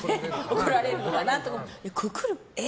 怒られるのかなと思って。